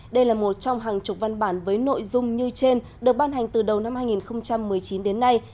đây là một trong hàng chục văn bản với nội dung như trên được ban hành từ đầu năm hai nghìn một mươi chín đến nay